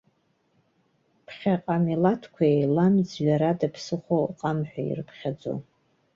Ԥхьаҟа амилаҭқәа еиламӡҩар ада ԥсыхәа ыҟам ҳәа ирыԥхьаӡон.